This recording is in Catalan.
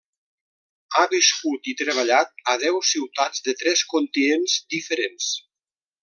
Ha viscut i treballat a deu ciutats de tres continents diferents.